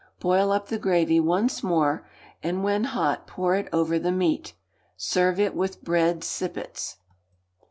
Boil up the gravy once more, and, when hot, pour it over the meat. Serve it with bread sippets.